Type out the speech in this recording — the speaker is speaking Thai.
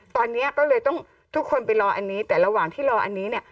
ตอนนี้ก็เลยต้องทุกคนไปรออันนี้แต่ระหว่างที่รออันนี้เนี่ย